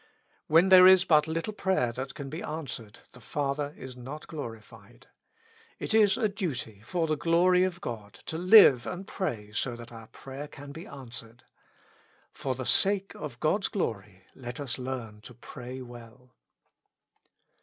When there is but little prayer that can be answered, the Father is not glorified. It is a duty, for the glory of God, to live and pray so that our prayer can be answered. For the sake of God's glory, let us learn to pray well.